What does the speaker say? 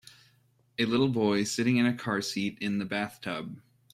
A little boy is sitting in a car seat in the bathtub